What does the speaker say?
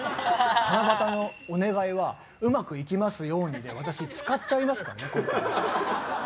七夕のお願いはうまくいきますようにで私、使っちゃいますからね。